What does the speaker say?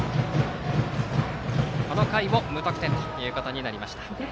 この回も無得点となりました。